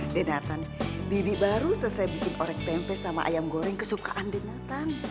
denatan bibi baru selesai bikin orek tempe sama ayam goreng kesukaan denatan